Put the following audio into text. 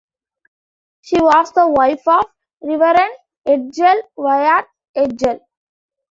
She was the wife of Reverend Edgell Wyatt-Edgell.